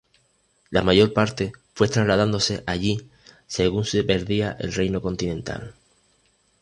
La mayor parte fue trasladándose allí según se perdía el reino continental.